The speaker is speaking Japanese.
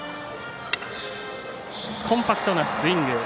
コンパクトなスイング。